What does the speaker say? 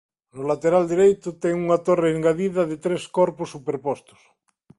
No lateral dereito ten unha torre engadida de tres corpos superpostos.